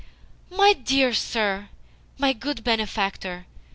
"My dear sir! My good benefactor!"